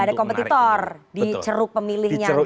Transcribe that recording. dan tidak ada kompetitor di ceruk pemilihnya ganjar pranowo